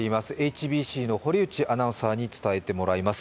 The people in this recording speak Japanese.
ＨＢＣの堀内アナウンサーに伝えてもらいます。